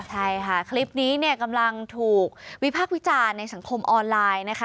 ใช่ค่ะคลิปนี้เนี่ยกำลังถูกวิพากษ์วิจารณ์ในสังคมออนไลน์นะคะ